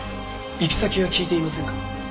行き先は聞いていませんか？